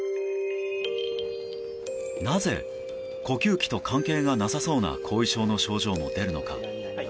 なぜ呼吸器と関係がなさそうな後遺症の症状も出るのか。